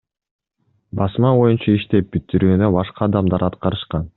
Басма боюнча иштеп бүтүрүүнү башка адамдар аткарышкан.